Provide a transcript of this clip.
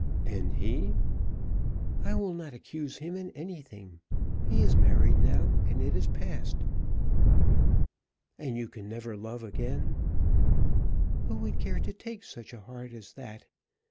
"And he?" "I will not accuse him in anything. He is married now, and it is past." "And you can never love again?" "Who would take such a heart as that?